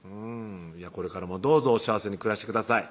これからもどうぞお幸せに暮らしてください